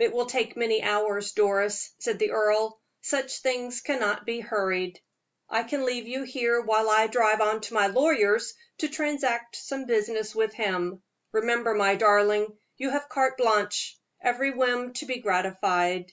"It will take many hours, Doris," said the earl; "such things cannot be hurried. I can leave you here while I drive on to my lawyer's, to transact some business with him. Remember, my darling, you have carte blanche every whim to be gratified."